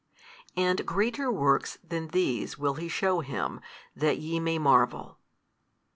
And greater works than these will He shew Him, that YE may marvel.